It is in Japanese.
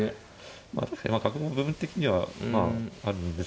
まあ確かに角も部分的にはあるんですけど。